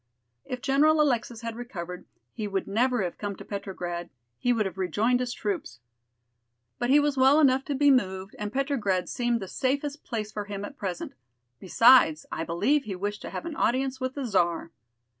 If General Alexis had recovered he would never have come to Petrograd, he would have rejoined his troops. But he was well enough to be moved and Petrograd seemed the safest place for him at present. Besides, I believe he wished to have an audience with the Czar."